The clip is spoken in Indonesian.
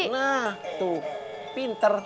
nah tuh pinter